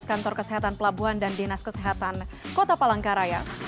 kantor kesehatan pelabuhan dan dinas kesehatan kota palangkaraya